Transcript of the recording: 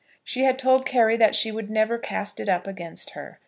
She had told Carry that she would "never cast it up against her."